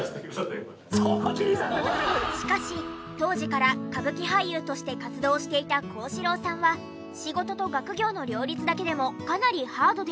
しかし当時から歌舞伎俳優として活動していた幸四郎さんは仕事と学業の両立だけでもかなりハードで。